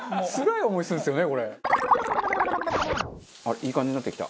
いい感じになってきた。